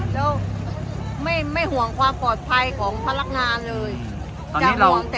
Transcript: แล้วไม่ไม่ห่วงความปลอดภัยของพระรักงานเลยอืมตอนนี้เราจะห่วงแต่